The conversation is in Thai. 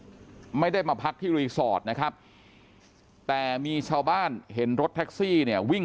นายพิษนุด้วยมาพักที่เลยหรือฯฟักครับแต่มีชาวบ้านเห็นรถแท็กซี่เนี่ยวิ่ง